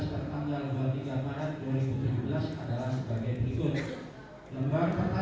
dan menjelaskan kepercayaan saya yang tidak bisa